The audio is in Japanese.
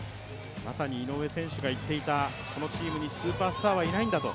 まさに井上選手が言っていたこのチームにスーパースターはいないんだと。